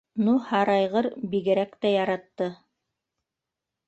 Ну Һарайғыр бигерәк тә яратты!